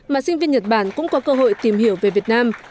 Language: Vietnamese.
mà sinh viên nhật bản cũng có cơ hội tìm hiểu về việt nam